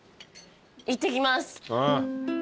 いってきます。